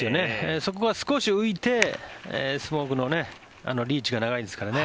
そこが少し浮いてスモークのリーチが長いですからね。